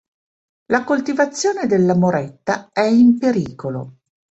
La coltivazione della Moretta, è in “pericolo”.